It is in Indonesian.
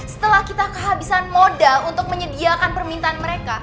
setelah kita kehabisan moda untuk menyediakan permintaan mereka